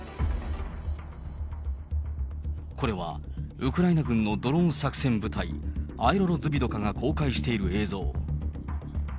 これはウクライナ軍のドローン作戦部隊、アエロロズヴィドカが公開している映像。